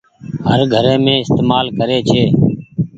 هر گھري مين استهمال ڪري ڇي۔